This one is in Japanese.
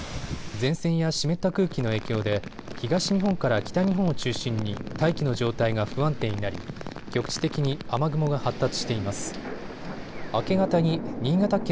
前線や湿った空気の影響で東日本から北日本を中心に大気の状態が不安定になり局地的に雨雲が発達しています。